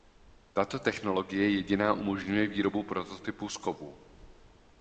Tato technologie jediná umožňuje výrobu prototypu z kovů.